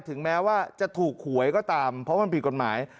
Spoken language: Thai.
ถึงแม้ว่าจะถูกหวยก็ตามเพราะมันผิดกฎหมาย